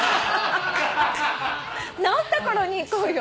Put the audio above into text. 治った頃に行こうよ。